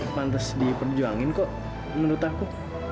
pantas diperjuangin kok menurut aku